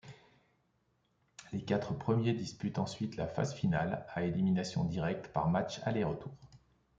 Les quatre premiers disputent ensuite la phase finale, à élimination directe par matchs aller-retour.